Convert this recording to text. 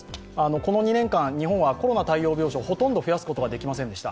この２年間、日本はコロナ対応病床をほとんど増やすことができませんでした。